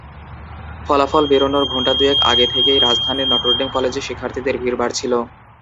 ফলাফল বেরোনোর ঘণ্টা দুয়েক আগে থেকেই রাজধানীর নটর ডেম কলেজে শিক্ষার্থীদের ভিড় বাড়ছিল।